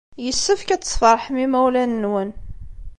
Yessefk ad tesfeṛḥem imawlan-nwen.